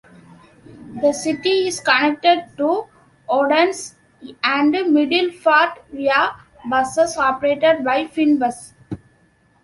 The city is connected to Odense and Middelfart via buses operated by Fynbus.